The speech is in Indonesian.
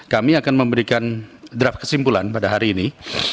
kami akan memberikan draft kesimpulan pada hari ini